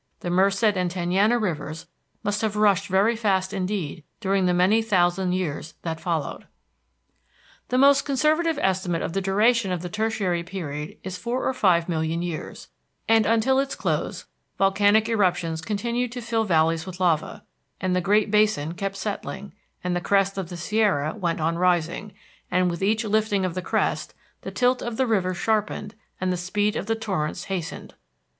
The Merced and Tenaya Rivers must have rushed very fast indeed during the many thousand years that followed. The most conservative estimate of the duration of the Tertiary Period is four or five million years, and until its close volcanic eruptions continued to fill valleys with lava, and the Great Basin kept settling, and the crest of the Sierra went on rising; and with each lifting of the crest, the tilt of the rivers sharpened and the speed of the torrents hastened.